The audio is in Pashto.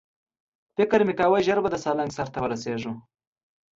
فکر مې کاوه ژر به د سالنګ سر ته ورسېږو.